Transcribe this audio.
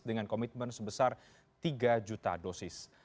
dengan komitmen sebesar tiga juta dosis